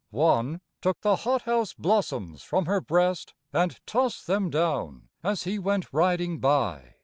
One took the hot house blossoms from her breast, And tossed them down, as he went riding by.